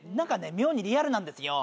妙にリアルなんですよ。